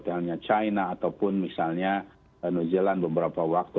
atau isolasi seperti china ataupun misalnya new zealand beberapa waktu